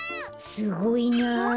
すごいなあ。